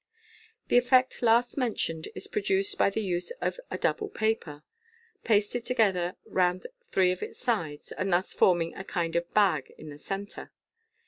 The effect last mentioned is produced by the use of a doubke paper, pasted together round three of its sides, and thus forming a kind of bag in the centre.